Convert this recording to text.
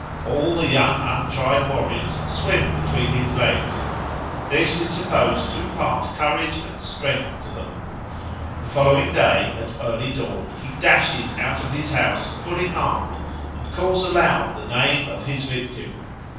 All the young untried warriors swim between his legs. This is supposed to impart courage and strength to them. The following day, at early dawn, he dashes out of his house, fully armed, and calls aloud the name of his victim.